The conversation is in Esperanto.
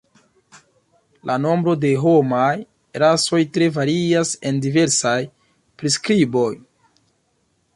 La nombro de homaj rasoj tre varias en diversaj priskriboj.